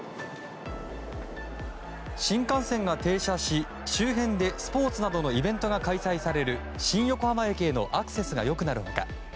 新幹線が停車し周辺で、スポーツなどのイベントが開催される新横浜駅へのアクセスが良くなる他